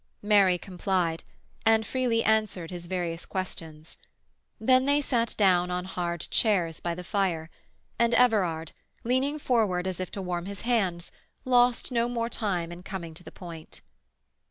Mary complied, and freely answered his various questions. Then they sat down on hard chairs by the fire, and Everard, leaning forward as if to warm his hands, lost no more time in coming to the point.